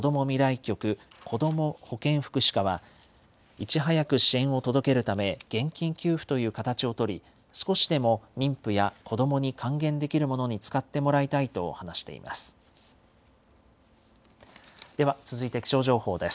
局子ども保健福祉課は、いち早く支援を届けるため、現金給付という形を取り、少しでも妊婦や子どもに還元できるものに使ってもらいたいと話しています。